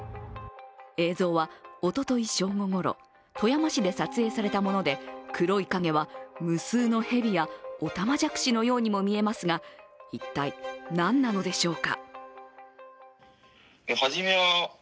映像はおととい正午ごろ、富山市で撮影されたもので黒い影は無数の蛇やおたまじゃくしのようにも見えますが一体、何なのでしょうか。